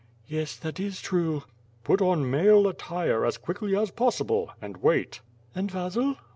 "Yes, that is true." "Put on male attire as quickly as possible, and wait." "And Vasil?"